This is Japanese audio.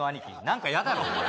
何か嫌だろお前